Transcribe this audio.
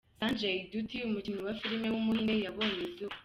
Sanjay Dutt, umukinnyi wa film w’umuhinde yabonye izuba.